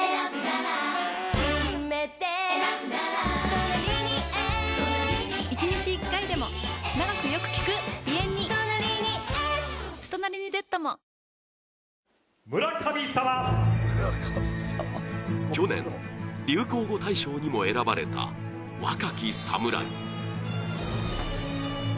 そしてこのあと、村上と朗希去年、流行語大賞にも選ばれた若き侍。